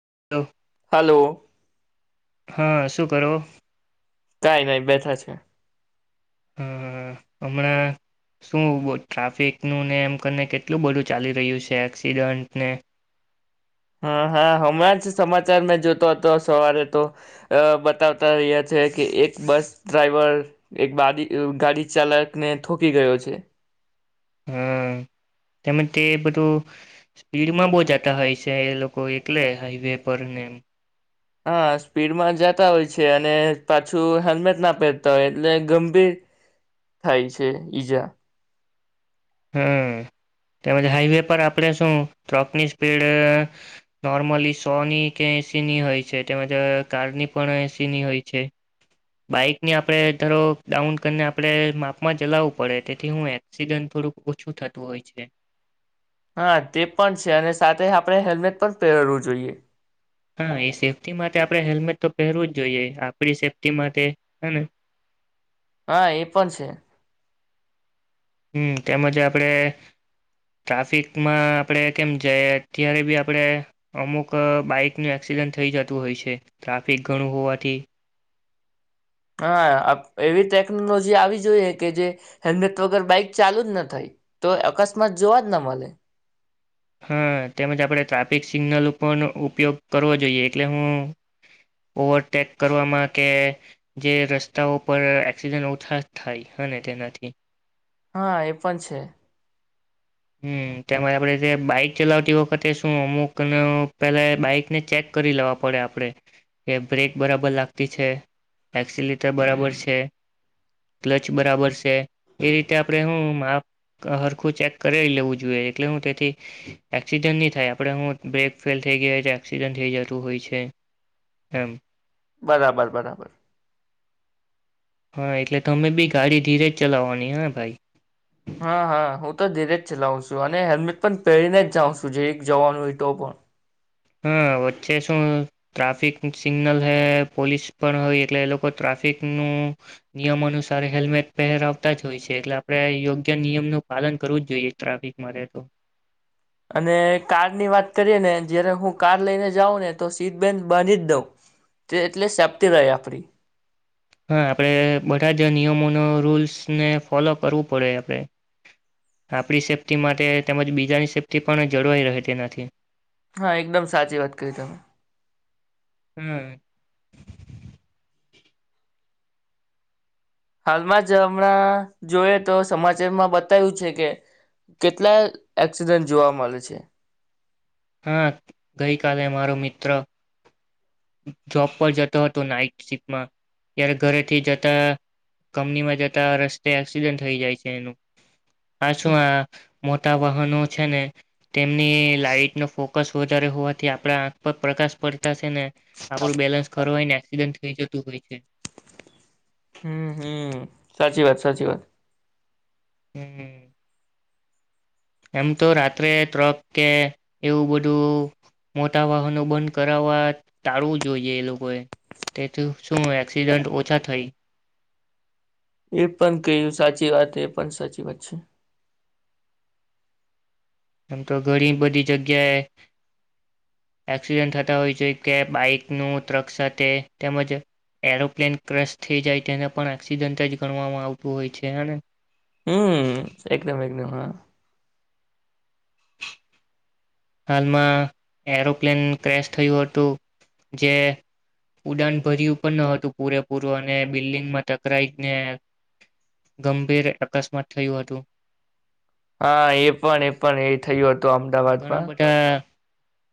[unintelligible] Hello. હા, શું કરો? કાંઈ નઈ બેઠા છે. અ અ અ અમણાં શું બો ટ્રાફિકનું ને એમ કરીને કેટલું બઢુ હા, હા, હમણાં જ સમા હા, તેમ જ તે બધું સ્પીડમાં બો જતા હોય છે, એ લોકો એકલે હાઈવે પર ને હા, સ્પીડમાં જાતા હોય છે અને પાછું હેલ્મેટ ના પહેરતા હોય એટલે ગંભીર થાય છે ઈજા. હમ્મ, તેમજ હાઈવે પર આપણે શું ટ્રકની સ્પીડ નોર્મલી સો ની કે એંસીની હોય છે, તેમજ કારની પણ એંસીની હોય છે. બાઈકની આપણે ધારો ડાઉન કરીને આપણે માપમાં ચલાવવું પડે, તેથી હું એક્સિડન્ટ થોડુંક ઓછું થતું હોય છે. હા તે પણ છે અને સાથે આપણે હેલ્મેટ પણ પહેરવું જોઈએ. હા, એ સેફ્ટી માટે આપણે હેલ્મેટ તો પહેરવું જ જોઈએ, આપડી સેફ્ટી માટે હને હા, એ પણ છે. હમ તેમજ આપડે ટ્રાફિકમાં આપણે કેમ જયે ત્યારે બી આપડે અમુક બાઈકનું એક્સિડન્ટ થઈ જતું હોય છે, ટ્રાફિક ઘણું હોવાથી. હા, અ એવી ટેકનોલોજી આવી જોઈએ કે જે હેલ્મેટ વગર બાઈક ચાલુ જ ન થાય, તો અકસ્માત જોવા જ ન મલે. હા તેમજ આપણે ટ્રાફિક સિગ્નલ ઉપનો ઉપયોગ કરવો જોઈએ એટલે હું ઓવરટેક કરવામાં કે જે રસ્તાઓ પર એક્સિજન ઓછા થાય હને તેનાથી. હા, એ પણ છે. હમ તેમાં આપણે જે બાઈક ચલાવતી વખતે શું અમુકને પેલા બાઈકને ચેક કરી લેવા પડે આપડે, કે બ્રેક બરાબર લાગતી છે, એક્સલેટર બરાબર છે, ક્લચ બરાબર છે, એ રીતે આપણે હું માપ હરખું ચેક કરી લેવું જોઈએ એટલે હું તેથી એક્સિડન્ટ ની થાય આપડે હું બ્રેક ફેલ થેઈ ગેઈ હોય તો એક્સિડન થેઈ જતું હોય છે એમ. બરાબર, બરાબર. હા એટલે તમે બી ગાડી ધીરે જ ચલાવવાની, હાં ભાઈ. હાં, હાં, હું તો ધીરે જ ચલાવ શુ અને હેલ્મેટ પણ પહેરીને જ જાઉં સુ જેઈક જવાનું હોય તો પણ. હા વચ્ચે શું ટ્રાફિક સિગ્નલ હે પોલીસ પણ હોય એટલે એ લોકો ટ્રાફિકનું નિયમ અનુસાર હેલ્મેટ પહેરાવતા જ હોય છે, એટલે આપણે યોગ્ય નિયમનું પાલન કરવું જ જોઈએ ટ્રાફિક માટે તો. અને કારની વાત કરીએ ને જયારે હું કાર લઈને જાઉં ને તો સીટ બેન્ટ બાંધી જ દઉં જે એટલે સેપતી રહે આપડી. હા આપણે બધા જ નિયમોનો રૂલ્સને ફોલો કરવું પડે આપડે, આપડી સેફ્ટી માટે તેમજ બીજાની સેફ્ટી પણ જળવાઈ રહે તેનાથી. હા, એકદમ સાચી વાત કહી તમે. હમ્મ. હાલમાં જ અમણાં જોઈએ તો સમાચારમાં બતાયું છે કે કેટલા એક્સિડન્ટ જોવા મલે છે. હા ગઈ કાલે મારો મિત્ર જોબ પર જતો હતો નાઈટ શિફમાં, ત્યારે ઘરેથી જતા કંપનીમાં જતા રસ્તે એક્સિડન્ટ થઈ જાય છે એનું પાછું આ મોટા વાહનો છે ને તેમની લાઈટનો ફોકસ વધારે હોવાથી આપણા આંખ પર પ્રકાશ પડતા સે ને આપડું બેલેન્સ ખરવાય ને ડન્ટ થઈ જતું હોય છે. હમ્મ, હમ્મ, સાચી વાત, સાચી વાત. હં, હં. એમ તો રાત્રે ટ્રક કે એવું બધું મોટા વાહનો બંધ કરાવવા ટાળવું જોઈએ એ લોકોએ, તેથી શું એક્સિડન્ટ ઓછા થય. એ પણ કહ્યું સાચી વાત, એ પણ સાચી વાત છે. આમ તો ઘણી બધી જગ્યાએ એક્સિડન્ટ થતા હોય છે કે બાઈક નું ટ્રક સાથે તેમજ એરોપ્લેન ક્રસ થઈ જાય, તેને પણ એક્સિડન્ટ જ ગણવામાં આવતું હોય છે હેને. હમ એકદમ એકદમ હા હાલમાં એરોપ્લેન ક્રેશ થયું હતું જે ઉડાન ભર્યું પણ ન હતું પૂરેપૂરું અને બિલ્ડિંગમાં ટકરાઈને ગંભીર અકસ્માત થયું હતું. હા એ પણ એ પણ એ જ. થયો હતો અમદાવાદમાં.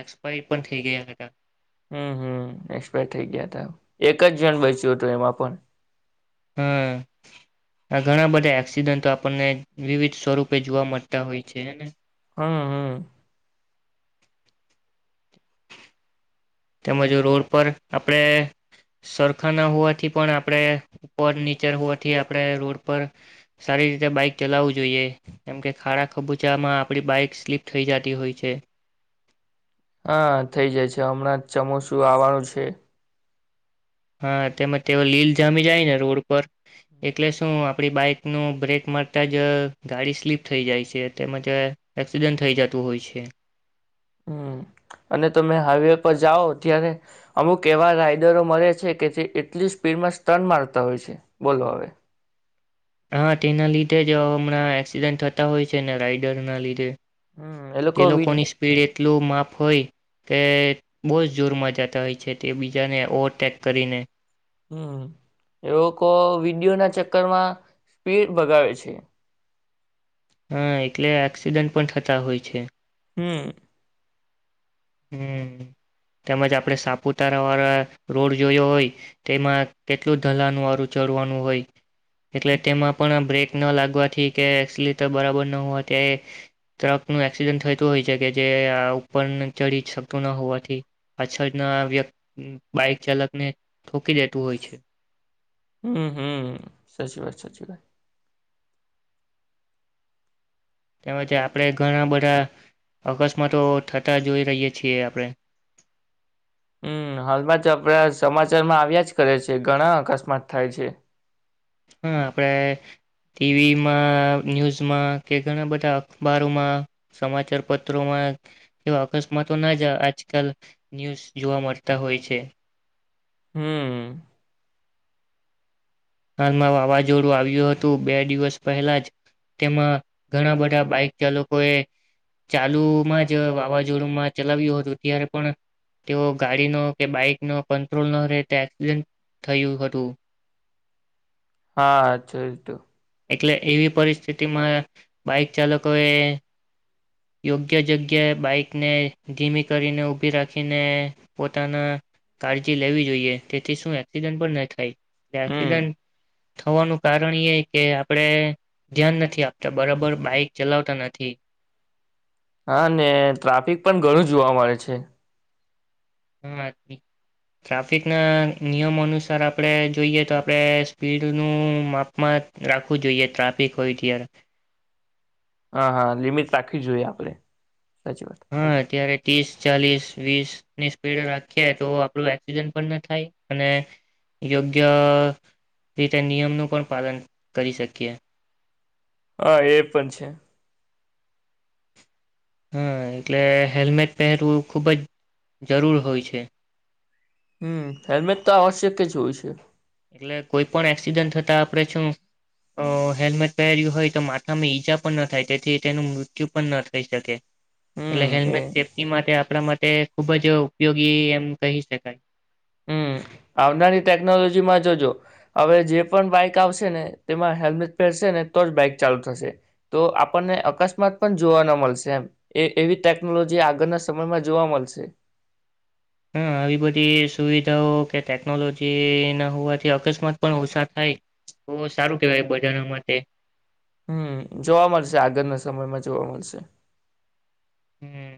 એક્સપાયડ પણ થઈ ગયા હતા હતા. હમ્મ-હમ્મ એક્સપાયર થઈ ગયા તા, એક જણ બયચું તું એમાં પણ. હા આ ઘણા બધા એક્સિડન્ટો આપણને વિવિધ સ્વરૂપે જોવા મળતા હોય છે હે ને. હમ્મ-હમ્મ. તેમજ રોડ પર આપણે સરખા ના હોવાથી પણ આપણે ઉપર નીચર હોવાથી આપણે રોડ પર સારી રીતે બાઈક ચલાવવું જોઈએ, કેમકે ખાડા ખબૂચામાં આપડી બાઈક સ્લીપ થઈ જાતી હોય છે. હા થઇ જાય છે હમણાં ચમાસું આવવાનું છે. હા તેમજ તેઓ લીલ જામી જાય ને રોડ ઉપર એટલે શું આપડી બાઈક નું બ્રેક મારતા જ ગાડી સ્લીપ થઈ જાય છે, તેમજ એક્સિડન્ટ થઈ જતું હોય છે. હમ્મ અને તમે હાઈવે પર જાઓ ત્યારે અમુક એવા રાઈડરો મળે છે કે જે એટલી સ્પીડમાં સ્ટન મારતા હોય છે બોલો હવે. હા તેના લીધે જ હમણાં એક્સિડન્ટ થતા હોય છે ને રાઈડર ના લીધે. હમ એ તે લોકો વિ લોકોની સ્પીડ એટલું માફ હોય કે બહુ જ જોરમાં જાતા હોય છે તે બીજાને ઓવરટેક કરીને. હમ્મ, એ લોકો વિડીયો ના ચક્કરમાં સ્પીડ ભગાવે છે. હા એટલે એક્સિડન્ટ પણ થતા હોય છે. હમ્મ. હમ્મ તેમજ આપણે સાપુતારા વાળા રોડ જોયો હોય તેમાં કેટલું તલાન વારું ચડવાનું હોય, એટલે તેમાં પણ આ બ્રેક ના લાગવાથી કે એસિલીટર બરાબર ન હોવા ત્યારે ટ્રક નું એક્સિડન્ટ થયતું હોય છે કે જે આ ઉપર ને ચડી જ શકતું ન હોવાથી, પાછળના વ્યક બાઈક ચાલકને ઠોકી દેતું હોય છે. હમ્મ-હમ્મ સાચી વાત, સાચી વાત. તેમજ આપણે ઘણા બધા અકસ્માતો થતા જોઈ રહીએ છીએ આપણે હમ્મ હાલમાં તો આપડા સમાચારમાં આવ્યા જ કરે છે, ઘણા અકસ્માત થાય છે. હા આપડે ટીવીમાં, ન્યૂઝમાં કે ઘણા બધા અખબારોમાં સમાચાર પત્રોમાં કેવા અકસ્માતો ના જ આજકાલ ન્યૂઝ જોવા મળતા હોય છે. હમ્મ. હાલમાં વાવાઝોડું આવ્યું હતું બે દિવસ પહેલા જ, તેમાં ઘણા બધા બાઈક ચાલકો એ ચાલુમાં જ વાવાઝોડુંમાં ચલાવ્યું હતું, ત્યારે પણ તેઓ ગાડીનો કે બાઈક નો કંટ્રોલ ન રહેતા એક્સિડન્ટ થયું હતું. હા જોયું તું. એટલે એવી પરિસ્થિતિમાં બાઈક ચાલકો એ યોગ્ય જગ્યાએ બાઈકને ધીમી કરીને, ઊભી રાખીને, પોતાના કાળજી લેવી જોઈએ તેથી શું એક્સિડન્ટ પણ ન થાય યાર. હમ એક્સડન થવાનું કારણ ઈ એ કે આપણેે ધ્યાન નથી આપતા, બરબર બાઈક ચલાવતા નથી. હા ને ટ્રાફિક પણ ઘણું જોવા મળે છે. [unintelligible] ટ્રાફિક ના નિયમો અનુસાર આપણે જોઈએ તો આપણેે સ્પીડનું માપમાં રાખવું જોઈએ ટ્રાફિક હોય ત્યારે. હા, હા લિમિટ રાખવી જોઈએ આપડે. હા અત્યારે ત્રીસ, ચાલીસ, વીસ ની સ્પીડ રાખીએ તો આપણું એક્સિડન્ટ પણ ના થાય, અને યોગ્ય રીતે નિયમ નું પણ પાલન કરી શકીએ. હા એ પણ છે. હા એટલે હેલ્મેટ પહેરવું ખૂબ જ જરૂર હોય છે. હમ્મ, હેલ્મેટ તો આવશ્યક જ હોય છે. એટલે કોઈ પણ એક્સિડન્ટ થતા આપણે શું અહ હેલ્મેટ પહેર્યું હોય તો માથામાં ઈજા પણ ન થાય તેથી તેનું મૃત્યુ પણ ન થઈ શકે. એટલે હમ એ હેલ્મેટ સેફ્ટી માટે આપણા માટ ટે ખૂબ જ ઉપયોગી એમ કહી શકાય. હમ આવનારી ટેકનોલોજીમાં જોજો, હવે જે પણ બાઈક આવશે ને તેમાં હેલ્મેટ પહેરશે ને તો જ બાઈક ચાલુ થશે. તો આપણને અકસ્માત પણ જોવા ન મળશે એમ, એ એવી ટેકનોલોજી આગળના સમયમાં જોવા મલશે. હા આવી બધી સુવિધાઓ કે ટેકનોલોજી ના હોવાથી અકસ્માત પણ ઓછા થાય તો સારું કેવાય બધાને માટે. હમ્મ જોવા મળશે આગળના સમયમાં જોવા મળશે. હમ્મ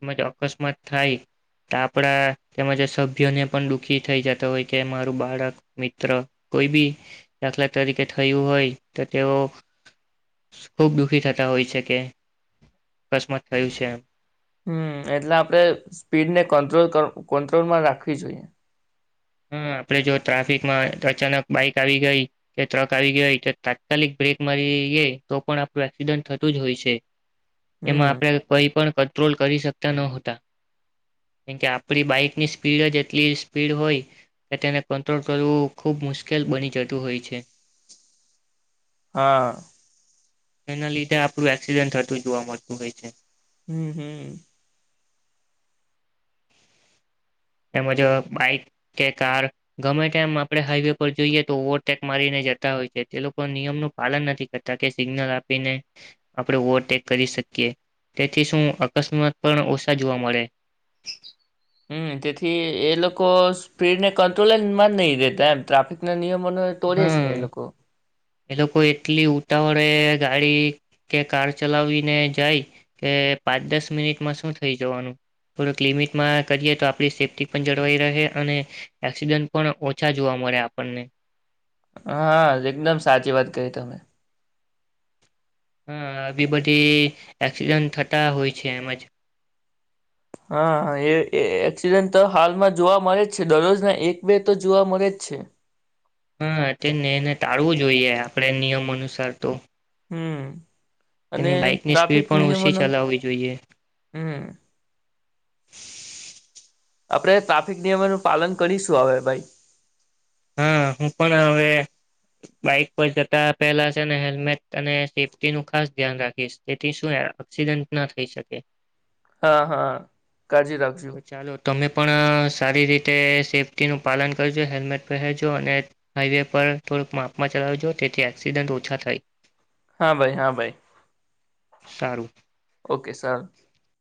તેમજ અકસ્માત થાય તો આપણા તેમજ જે સભ્યોને પણ દુઃખી થઈ જતો હોય કે મારું બાળક, મિત્ર કોઈ બી દાખલા તરીકે થયું હોય તો તેઓ ખુબ દુખી થતા હોય છે કે અકસ્માત થયું છે એમ. હમ્મ એટલે આપણે સ્પીડ ને કંટ્રોલ ક કોંટ્રોલમાં રાખવી જોઈએ. હા આપણે જો ટ્રાફિકમાં અચાનક બાઈક આવી ગઈ, કે ટ્રક આવી ગઈ તો તાત્કાલિક બ્રેક મારીઈએ તો પણ આપણું એક્સિડન્ટ થતું જ હોય છે. એમાં હમ આપડે કંઈ પણ કર કટ્રોલ કરી શકતા ન હતા કેમ કે આપણી બાઈકની સ્પીડ જ એટલી સ્પીડ હોય કે તેને કંટ્રોલ કરવું ખૂબ મુશ્કેલ બની જતું હોય છે. હા. એના લીધે આપણું એક્સિડન્ટ થતું જોવા મળતું હોય છે. હમ્મ હમ્મ. તેમજ બાઈક કે કાર ગમે ટેમ આપણે હાઈવે પર જોઈએ તો ઓવરટેક મારીને જતા હોય છે, તે લોકો નિયમનું પાલન નથી કરતા કે સિગ્નલ આપીને આપણે ઓવરટેક કરી શકીએ, તેથી શું અકસ્માત પણ ઓછા જોવા મળે. હમ્મ, તેથી એ લોકો સ્પીડને કંટ્રોલ જ મા નહી દેતા એમ ટ્રાફિક ના નિયમ મને તોડે છે એ હા લોકો. એ લોકો એટલી ઉતાવળે ગાડી, કે કાર ચલાવીને જાય કે પાંચ દસ મિનિટમાં શું થઈ જવાનું, થોડક લિમિટમાં કરીએ તો આપણી સેફ્ટી પણ જળવાઈ રહે અને એક્સિડન્ટ પણ ઓછા જોવા મળે આપર્ણને. હ, એકદમ સાચી વાત કહી તમે. હ, આવી બધી એક્સિડન્ટ થતા હોય છે એમજ. હા એ એક્સિડેન્ટ તો હાલમાં જોવા મળે જ છે, દરરોજના એક બે તો જોવા મળે જ છે. હ હાતને એને ટાળવું જોઈએ આપડે નિયમ અનુસાર તો. હમ્મ. તેની બાઈકની સ્પીડ પણ ઓછી ચલાવવી જોઈએ. હમ આપડે ટ્રાફિક નિયમોનું પાલન કરીશું હવે ભાઈ. હ હું પણ હવે બાઈક પર જતા પહેલા છે હેલ્મેટ અને સેફ્ટી નું ખાસ ધ્યાન રાખીશ, તેથી શું એક્સિડન્ટ ન થઈ શકે. હા હા, કાળજી રાખજો. તો ચાલો તમે પણ સારી રીતે સેફ્ટીનું પાલન કરજો, હેલ્મેટ પહેરજો અને હાઈવે પર થોડુક માપમાં ચલાવજો તેથી એક્સિડન્ટ ઓછા થાય. હા ભાઈ હા ભાઈ. સારું. ઓકે સરર